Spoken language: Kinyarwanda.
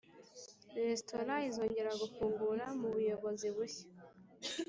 restaurant izongera gufungura mubuyobozi bushya.